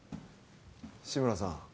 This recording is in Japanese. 志村さん